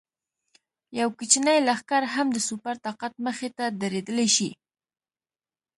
یو کوچنی لښکر هم د سوپر طاقت مخې ته درېدلی شي.